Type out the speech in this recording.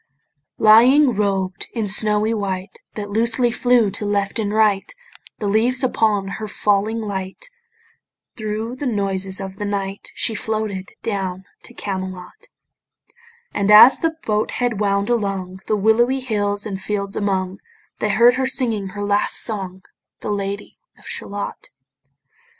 Lying, robed in snowy white That loosely flew to left and right The leaves upon her falling light Thro' the noises of the night She floated down to Camelot: And as the boat head wound along The willowy hills and fields among, They heard her singing her last song, The Lady of Shalott.